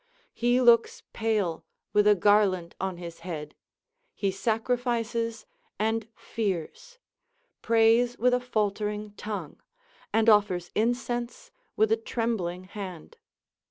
* He looks pale with a garland on his head, he sacrifices and fears, pravs with a faltering tongue, and offers incense with a trembling hand.